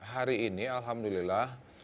hari ini alhamdulillah